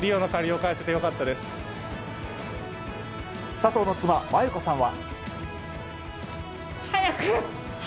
佐藤の妻・麻由子さんは。